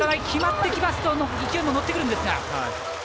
決まってきますと勢いも乗ってくるんですが。